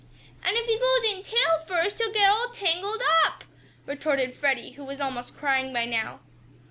"And if he goes in tail first he'll get all tangled up!" retorted Freddie, who was almost crying now.